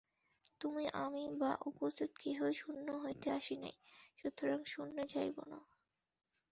তুমি আমি বা উপস্থিত কেহই শূন্য হইতে আসি নাই, সুতরাং শূন্যে যাইব না।